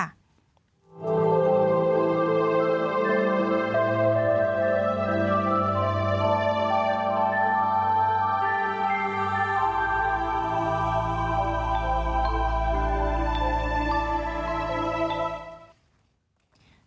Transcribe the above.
นี้คือ